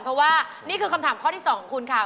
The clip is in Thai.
เพราะว่านี่คือคำถามข้อที่๒ของคุณค่ะ